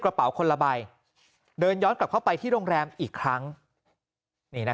กระเป๋าคนละใบเดินย้อนกลับเข้าไปที่โรงแรมอีกครั้งนี่นะ